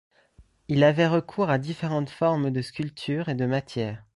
Il avait recours à différentes formes de sculpture et de matières.